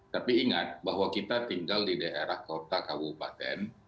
tapi ingat bahwa kita tinggal di daerah kota kabupaten